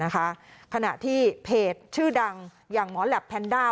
ขณะที่เพจชื่อดังอย่างหมอแหลปแพนด้า